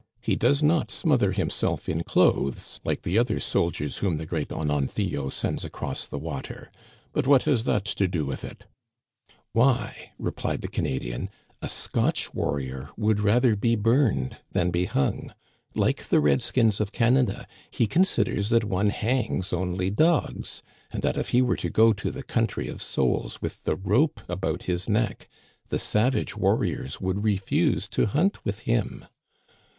" He does not smother himself in clothes like the other soldiers whom the Great Ononthio sends across the water. But what has that to do with it ?" "Why," replied the Canadian, "a Scotch warrior would rather be burned than be hung. Like the red skins of Canada, he considers that one hangs only dogs, and that if he were to go to the country of souls with the rope about his neck the savage warriors would re fuse to hunt with him."